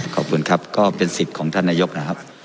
ขอบคุณครับก็เป็นสิทธิ์ของท่านนายกนะครับ